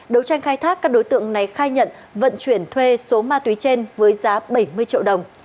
đấu tranh khai thác các đối tượng này khai nhận vận chuyển thuê số ma túy trên với giá bảy mươi triệu đồng